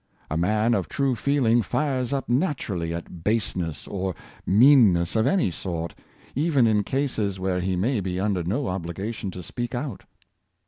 A man of true feeling fires up naturally at baseness or meanness of any sort, even in cases where he may be under no obligation to speak out.